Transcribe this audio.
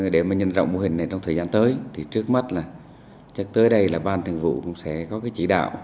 để mà nhân rộng mô hình này trong thời gian tới thì trước mắt là tới đây là ban thường vụ cũng sẽ có cái chỉ đạo